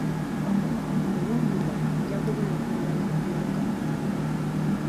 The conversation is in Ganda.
Mu luwummula nja kuba ntunda mu dduuka.